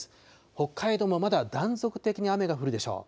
北海道もまだ断続的に雨が降るでしょう。